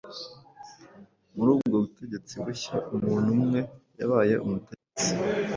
Muri ubwo butegetsi bushya umuntu umwe yabaye umutegetsi